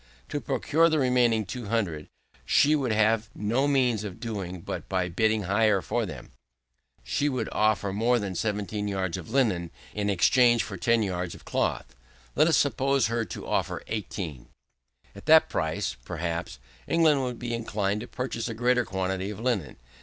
To procure the remaining 200, which she would have no means of doing but by bidding higher for them, she would offer more than 17 yards of linen in exchange for 10 yards of cloth; let us suppose her to offer 18. At that price, perhaps, England would be inclined to purchase a greater quantity of linen.